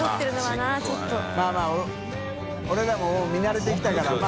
泙，泙俺らももう見慣れてきたから泙